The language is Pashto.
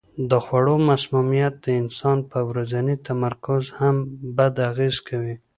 د خوړو مسمومیت د انسان پر ورځني تمرکز هم بد اغېز کوي.